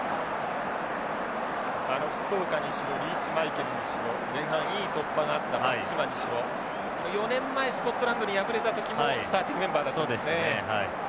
福岡にしろリーチマイケルにしろ前半いい突破があった松島にしろ４年前スコットランドに敗れた時もスターティングメンバーだったんですね。